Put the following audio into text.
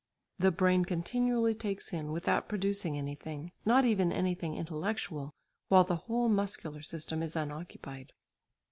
The brain continually takes in, without producing anything, not even anything intellectual, while the whole muscular system is unoccupied.